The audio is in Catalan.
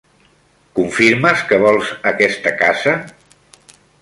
Confirmes que vols aquesta casa?